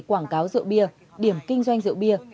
quảng cáo rượu bia điểm kinh doanh rượu bia